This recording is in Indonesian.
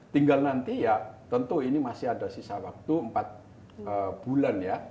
tinggal nanti ya tentu ini masih ada sisa waktu empat bulan ya